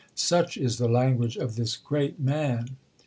Such is the language of this great man!